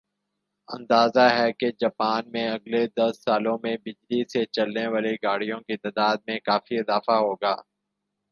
اندازہ ھے کہ جاپان میں اگلے دس سالوں میں بجلی سے چلنے والی گاڑیوں کی تعداد میں کافی اضافہ ہو گا